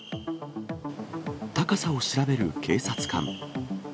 高さを調べる警察官。